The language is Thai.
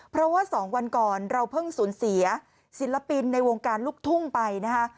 เพราะว่า๒วันก่อนเราเพิ่งสูญเสียศิลปินในวงการลูกทุ่งไปนะคะ